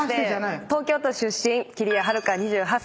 東京都出身きりやはるか２８歳。